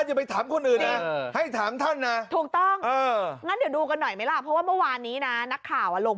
จริง